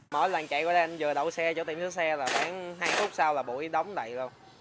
mỗi lần chạy qua đây anh vừa đậu xe chỗ tìm xe xe là hai phút sau là bụi đóng đầy rồi